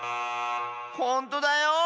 ほんとだよ！